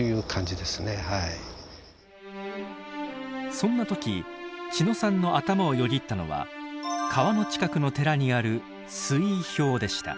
そんな時千野さんの頭をよぎったのは川の近くの寺にある水位標でした。